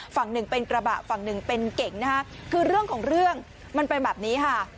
ฝั่งหนึ่งเป็นกระบะฝั่งหนึ่งเป็นเก่งนะคะคือเรื่องของเรื่องมันเป็นแบบนี้ค่ะ